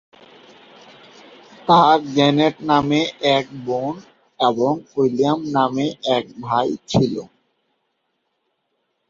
তার জ্যানেট নামে এক বোন এবং উইলিয়াম নামে এক ভাই ছিল।